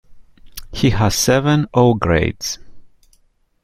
"He has seven O-Grades".